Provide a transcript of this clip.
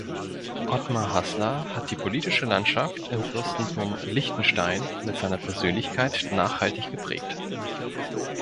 Otmar Hasler hat die politische Landschaft im Fürstentum Liechtenstein mit seiner Persönlichkeit nachhaltig geprägt.